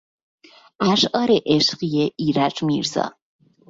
اشعار عشقی ایرج میرزا